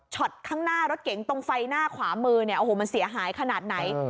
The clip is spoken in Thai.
ข้างหน้ารถเก๋งตรงไฟหน้าขวามือเนี่ยโอ้โหมันเสียหายขนาดไหน